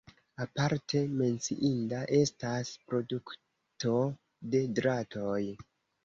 Aparte menciinda estas produkto de dratoj.